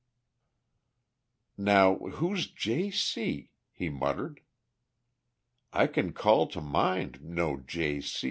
"Now, who's J.C.?" he muttered. "I can call to mind no J.C.